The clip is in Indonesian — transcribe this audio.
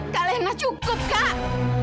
kalena cukup kak